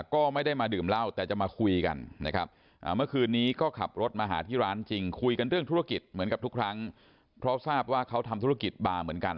ก็ไม่ได้มาดื่มเหล้าแต่จะมาคุยกันนะครับเมื่อคืนนี้ก็ขับรถมาหาที่ร้านจริงคุยกันเรื่องธุรกิจเหมือนกับทุกครั้งเพราะทราบว่าเขาทำธุรกิจบาร์เหมือนกัน